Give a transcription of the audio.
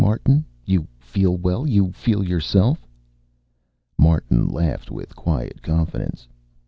Martin, you feel well? You feel yourself?" Martin laughed with quiet confidence.